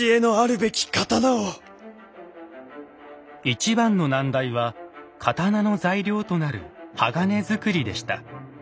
一番の難題は刀の材料となる鋼づくりでした。